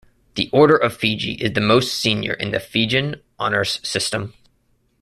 The Order of Fiji is the most senior in the Fijian honours system.